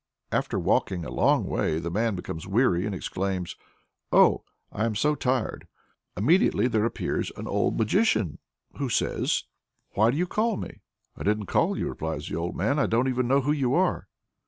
After walking a long way the man becomes weary and exclaims, "Oh! I'm so tired!" Immediately there appears "an old magician," who says "Why do you call me?" "I didn't call you," replies the old man. "I don't even know who you are."